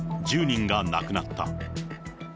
１０人が亡くなった。